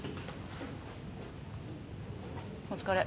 お疲れ。